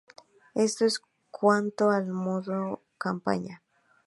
Esto en cuanto al modo campaña.